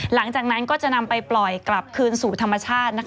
หลังจากนั้นก็จะนำไปปล่อยกลับคืนสู่ธรรมชาติ